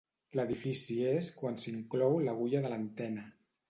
L'edifici és quan s'inclou l'agulla de l'antena.